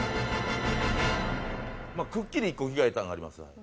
くっきり１個聞こえたのあります。